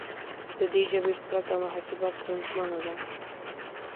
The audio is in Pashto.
د دې ژبې پرته محاسبه ستونزمنه ده.